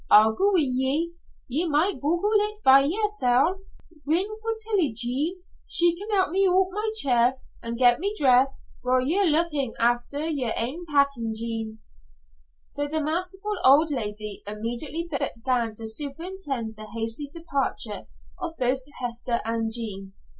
I'll go wi' ye. Ye might boggle it by yersel'. Ring for Tillie, Jean. She can help me oot o' my chair an' get me dressed, while ye're lookin' after yer ain packin', Jean." So the masterful old lady immediately began to superintend the hasty departure of both Hester and Jean.